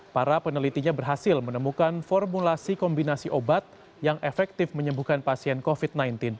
para penelitinya berhasil menemukan formulasi kombinasi obat yang efektif menyembuhkan pasien covid sembilan belas